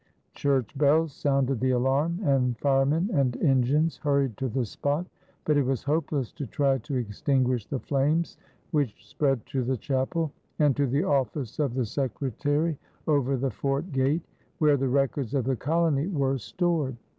Church bells sounded the alarm and firemen and engines hurried to the spot; but it was hopeless to try to extinguish the flames, which spread to the chapel and to the office of the secretary over the fort gate, where the records of the colony were stored.